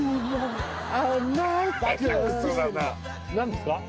何ですか？